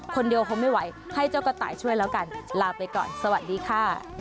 คนเดียวคงไม่ไหวให้เจ้ากระต่ายช่วยแล้วกันลาไปก่อนสวัสดีค่ะ